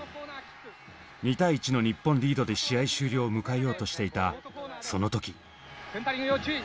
２対１の日本リードで試合終了を迎えようとしていたその時。